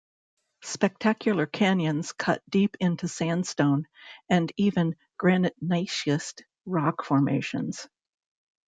Spectacular canyons cut deep into sandstone, and even granite-gneiss-schist, rock formations.